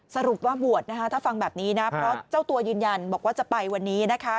สรุปว่าบวชนะคะถ้าฟังแบบนี้นะเพราะเจ้าตัวยืนยันบอกว่าจะไปวันนี้นะคะ